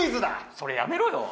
それやめろよ